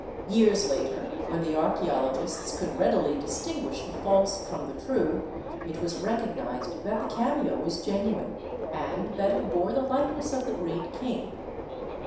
Years later, when the archaeologists could readily distinguish the false from the true, it was recognized that the cameo was genuine, and that it bore the likeness of the great King.